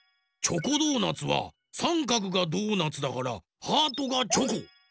チョコドーナツはさんかくがドーナツだからハートがチョコ。